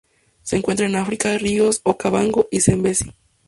Se encuentran en África: ríos Okavango y Zambezi.